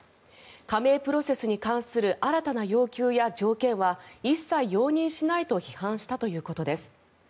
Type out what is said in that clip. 加盟プロセスに関する新たな要求や条件は一切容認しないと批判したということです。